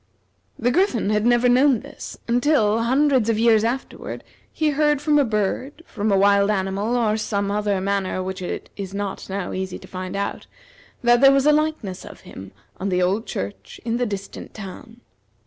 The Griffin had never known this, until, hundreds of years afterward, he heard from a bird, from a wild animal, or in some manner which it is not now easy to find out, that there was a likeness of him on the old church in the distant town.